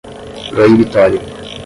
proibitório